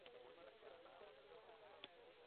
موزیک د خاموشو احساساتو ژباړونکی دی.